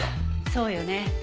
そうよね。